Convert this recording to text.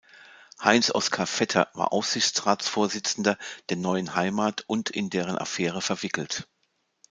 Heinz Oskar Vetter war Aufsichtsratsvorsitzender der Neuen Heimat und in deren Affäre verwickelt.